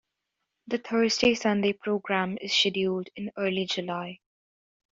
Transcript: The Thursday-Sunday program is scheduled in early July.